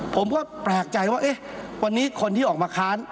ผมก็แปลกใจว่าวันนี้คนที่ออกมาค้าน